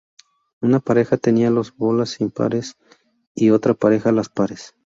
Una pareja tenía las bolas impares y otra pareja, las pares.